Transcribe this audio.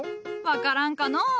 分からんかのう。